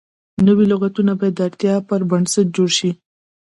نوي لغتونه باید د اړتیا پر بنسټ جوړ شي.